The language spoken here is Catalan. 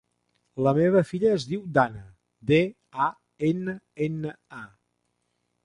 La meva filla es diu Danna: de, a, ena, ena, a.